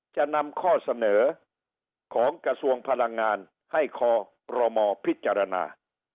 จะนำข้อเสนอของกระทรวงพลังงานให้คอรมอพิจารณา